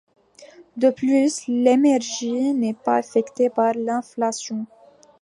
De plus, l’émergie n’est pas affectée par l’inflation.